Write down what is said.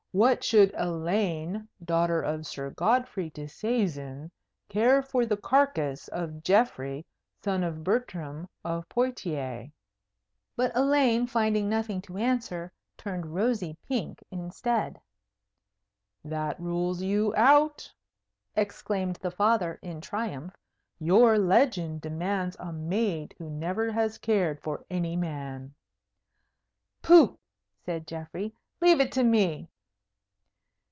What should Elaine, daughter of Sir Godfrey Disseisin, care for the carcase of Geoffrey, son of Bertram of Poictiers?" But Elaine, finding nothing to answer, turned rosy pink instead. "That rules you out!" exclaimed the Father, in triumph. "Your legend demands a maid who never has cared for any man." "Pooh!" said Geoffrey, "leave it to me."